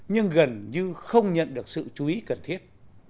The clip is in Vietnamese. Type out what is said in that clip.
nhưng gần như không nhận được sự chú ý cần thiết